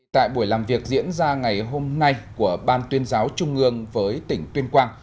tại buổi làm việc diễn ra ngày hôm nay của ban tuyên giáo trung ương với tỉnh tuyên quang